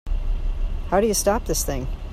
How do you stop this thing?